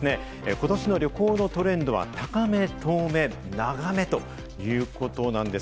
ことしの旅行のトレンドは「高め・遠め・長め」ということなんです。